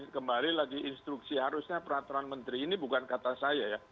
kembali lagi instruksi harusnya peraturan menteri ini bukan kata saya ya